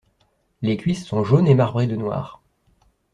Les cuisses sont jaunes et marbrées de noir.